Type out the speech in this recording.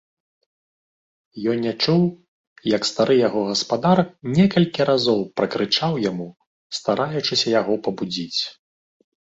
Ён не чуў, як стары яго гаспадар некалькі разоў пракрычаў яму, стараючыся яго пабудзіць.